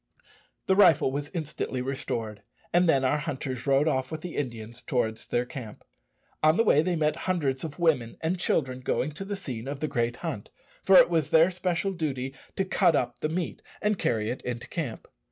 The rifle was instantly restored, and then our hunters rode off with the Indians towards their camp. On the way they met hundreds of women and children going to the scene of the great hunt, for it was their special duty to cut up the meat and carry it into camp.